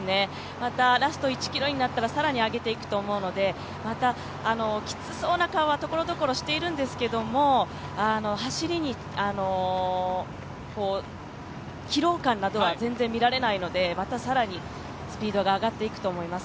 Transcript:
またラスト１ｋｍになったら更に上げていくと思うのできつそうな顔はところどころしているんですけれども、走りに疲労感などは全然見られないのでまた更にスピードが上がっていくと思います。